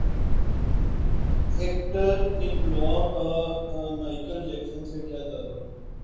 actor ان لا کا مائیکل جیکسن سے کیا تعلق